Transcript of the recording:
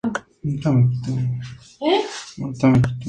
Culminó su carrera en Barracas Central y San Telmo.